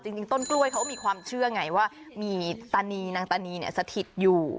จริงต้นกล้วยเขาก็มีความเชื่อไงว่ามีตานีนางตานีเนี่ยสถิตอยู่